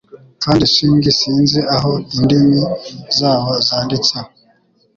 Kandi swing sinzi aho. Indimi zabo zanditseho